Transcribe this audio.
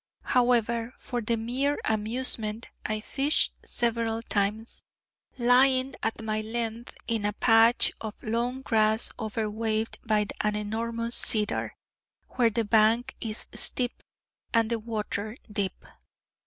However, for the mere amusement, I fished several times, lying at my length in a patch of long grass over waved by an enormous cedar, where the bank is steep, and the water deep.